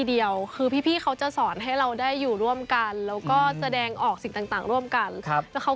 เรามองความเป็นสปอร์ตเกลอมากกว่าค่ะคือสาวที่แบบ